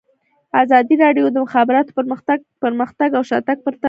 ازادي راډیو د د مخابراتو پرمختګ پرمختګ او شاتګ پرتله کړی.